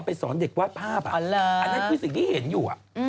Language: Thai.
สอนเด็กวาดภาพอันนั้นคือสิ่งที่เห็นอยู่